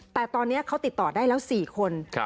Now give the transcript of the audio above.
แต่ตอนนี้เขาติดต่อได้แล้ว๔คน